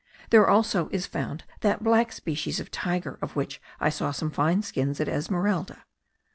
There also is found that black species of tiger* of which I saw some fine skins at Esmeralda.